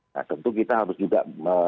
nah tentu kita harus juga